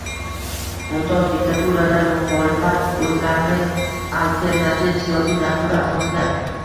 “Mumtoz” diktaturada muxolifat o‘zlarini alternativ siyosiy dasturi asosida